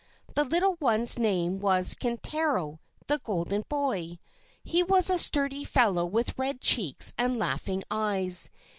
The little one's name was Kintaro the Golden Boy. He was a sturdy fellow with red cheeks and laughing eyes.